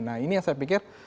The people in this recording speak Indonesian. nah ini yang saya pikir